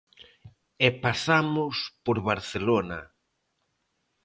E pasamos por Barcelona.